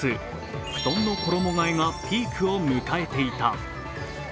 布団の衣がえがピークを迎えていた。